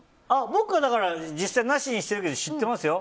僕は実際なしにしてるけど知ってますよ。